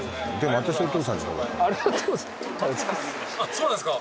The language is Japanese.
そうなんすか？